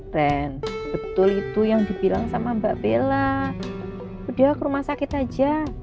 betul itu yang dibilang sama mbak bella udah ke rumah sakit aja